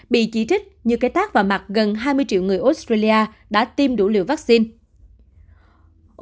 bị chỉ trích như cái tác và mặt gần hai mươi triệu người australia đã tiêm đủ liều vaccine